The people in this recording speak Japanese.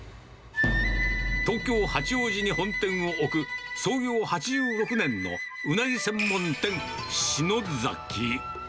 東京・八王子に本店を置く、創業８６年のうなぎ専門店、志乃ざき。